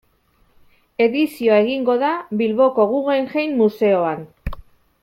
Edizioa egingo da Bilboko Guggenheim museoan.